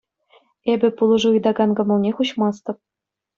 Эпӗ пулӑшу ыйтакан кӑмӑлне хуҫмастӑп.